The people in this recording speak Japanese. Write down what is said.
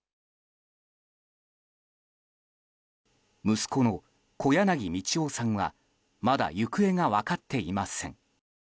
息子の小柳宝大さんはまだ行方が分かっていません。